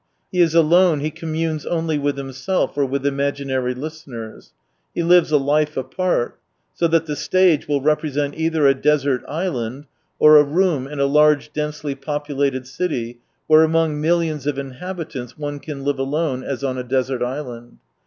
He is alone, he communes only with himself or with imaginary listeners. He lives a life apart. So that the stage will represent either a desert island or a room in a large densely populated city, where among millions of inhabitants one can live alone as on a desert island.